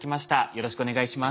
よろしくお願いします。